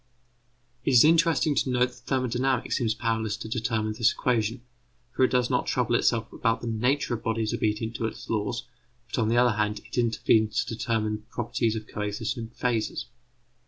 It is interesting to note that thermodynamics seems powerless to determine this equation, for it does not trouble itself about the nature of the bodies obedient to its laws; but, on the other hand, it intervenes to determine the properties of coexisting phases.